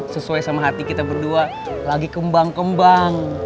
sesuai sama hati kita berdua lagi kembang kembang